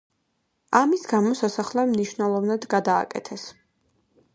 ამის გამო სასახლე მნიშვნელოვნად გადააკეთეს.